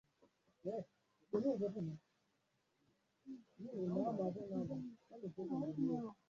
ujenzi wa taifa mpya la Afrika Kusini ndizo zilizochukua wakati wake mwingi hakusita kukosoa